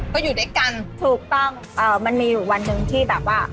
ก็อยู่ด้วยกันถูกต้องมันมีอยู่วันหนึ่งที่แบบว่า